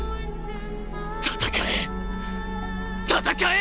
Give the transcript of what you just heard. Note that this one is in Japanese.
戦え‼戦え‼